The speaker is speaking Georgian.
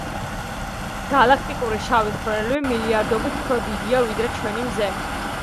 გალაქტიკური შავი ხვრელები მილიარდობით უფრო დიდია, ვიდრე ჩვენი მზე.